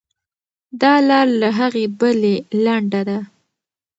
دا لار له هغې بلې لنډه ده.